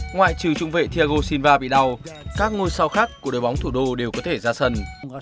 ngoại trừ trung vệ thiagoshiva bị đau các ngôi sao khác của đội bóng thủ đô đều có thể ra sân